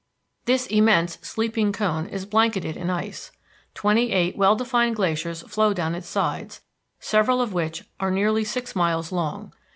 This immense sleeping cone is blanketed in ice. Twenty eight well defined glaciers flow down its sides, several of which are nearly six miles long.